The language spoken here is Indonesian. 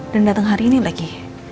dan dateng hari ini lagi